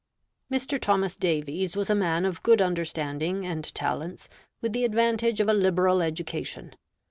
Mr. Thomas Davies was a man of good understanding and talents, with the advantage of a liberal education.